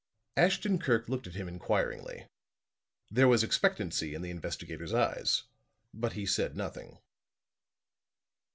Ashton Kirk looked at him inquiringly; there was expectancy in the investigator's eyes, but he said nothing.